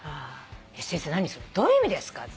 「先生何それどういう意味ですか？」